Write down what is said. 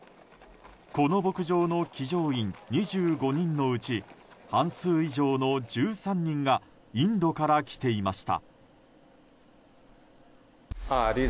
この牧場の騎乗員２５人のうち半数以上の１３人がインドから来ていました。